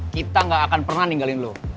kita gak akan pernah ninggalin lo